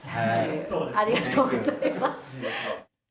ありがとうございます。